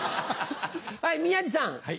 はい宮治さん。